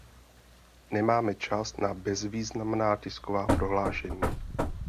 Nemáme čas na bezvýznamná tisková prohlášení.